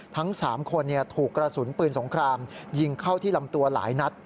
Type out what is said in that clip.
ทั้ง๓คนถูกกระสุนปืนสงครามยิงเข้าที่ลำตัวหลายนัด